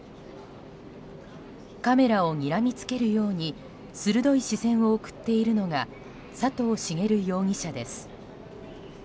カメラをにらみつけるように鋭い視線を送っているのが佐藤茂容疑者です。